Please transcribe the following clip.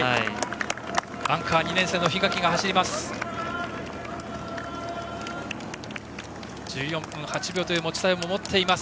アンカー、２年生の檜垣が走っています。